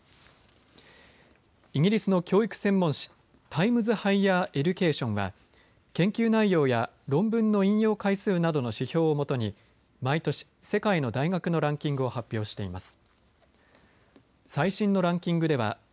イギリスの教育専門誌、タイムズ・ハイヤー・エデュケーションは、研究内容や論文の引用回数などの指標をもとに毎年、世界の大学のランキングを発表しています。